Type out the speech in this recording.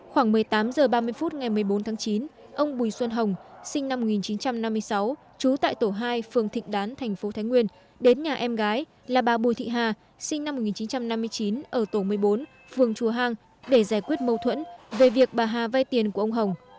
khoảng một mươi tám h ba mươi phút ngày một mươi bốn tháng chín ông bùi xuân hồng sinh năm một nghìn chín trăm năm mươi sáu trú tại tổ hai phường thịnh đán thành phố thái nguyên đến nhà em gái là bà bùi thị hà sinh năm một nghìn chín trăm năm mươi chín ở tổ một mươi bốn phường chùa hang để giải quyết mâu thuẫn về việc bà hà vay tiền của ông hồng